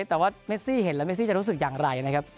แต่ว่าเมซี่เห็นแล้วเมซี่จะรู้สึกอย่างไรนะครับ